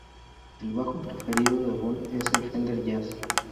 El bajo preferido de Von es el Fender Jazz.